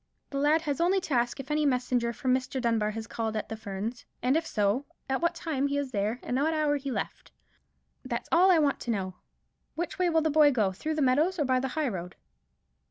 The lad has only to ask if any messenger from Mr. Dunbar has called at the Ferns; and if so, at what time he was there, and at what hour he left. That's all I want to know. Which way will the boy go; through the meadows, or by the high road?"